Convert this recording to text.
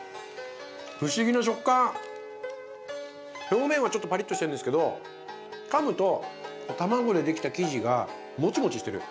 表面はちょっとパリッとしてるんですけどかむとたまごでできた生地がもちもちしてる。